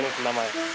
名前。